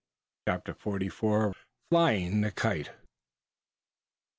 CHAPTER FORTY FOUR. FLYING THE KITE.